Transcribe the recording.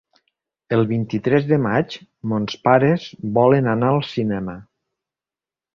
El vint-i-tres de maig mons pares volen anar al cinema.